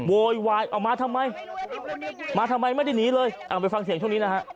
โวยวายเอามาทำไมมาทำไมไม่ได้หนีเลยเอาไปฟังเสียงช่วงนี้นะฮะ